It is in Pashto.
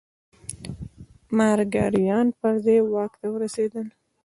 مارګایان پر ځای واک ته ورسېدل.